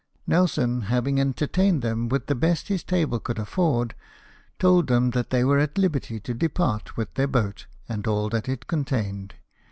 Nelson having entertained them with the best his table could afford, told them they were at liberty to depart with their boat and all that it contained.